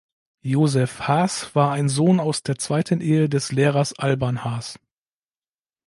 Joseph Haas war ein Sohn aus der zweiten Ehe des Lehrers Alban Haas.